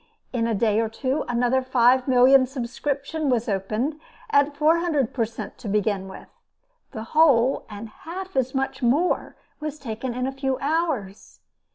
In a day or two, another five million subscription was opened at four hundred per cent. to begin with. The whole, and half as much more, was taken in a few hours.